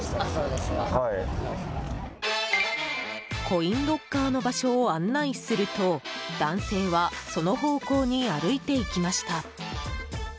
コインロッカーの場所を案内すると男性は、その方向に歩いていきました。